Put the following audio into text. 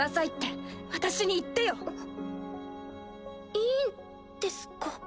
いいんですか？